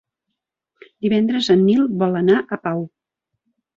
Divendres en Nil vol anar a Pau.